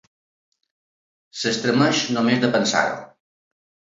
S'estremeix només de pensar-ho.